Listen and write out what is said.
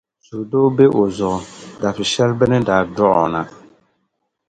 Suhudoo be o zuɣu dabsi shεli bɛ ni daa dɔɣi o na.